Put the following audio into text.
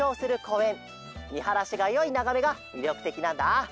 みはらしがよいながめがみりょくてきなんだ。